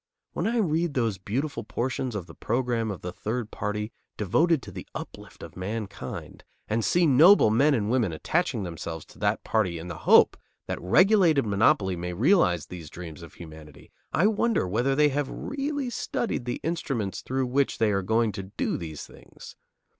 When I read those beautiful portions of the program of the third party devoted to the uplift of mankind and see noble men and women attaching themselves to that party in the hope that regulated monopoly may realize these dreams of humanity, I wonder whether they have really studied the instruments through which they are going to do these things.